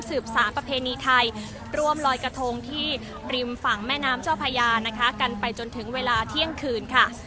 สารประเพณีไทยร่วมลอยกระทงที่ริมฝั่งแม่น้ำเจ้าพญานะคะกันไปจนถึงเวลาเที่ยงคืนค่ะ